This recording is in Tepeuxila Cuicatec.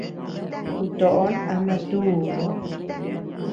Kutoʼon ama tuu.